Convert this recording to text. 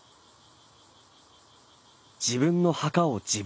自分の墓を自分で掘る。